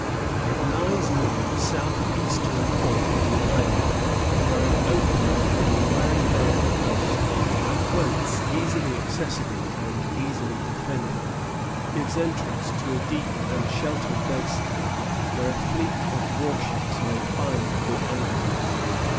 It lies near the southeastern point of the island, where an opening in the ironbound coast, at once easily accessible and easily defended, gives entrance to a deep and sheltered basin, where a fleet of war ships may find good anchorage.